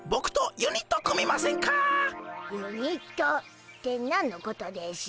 ユニット？って何のことでしゅ？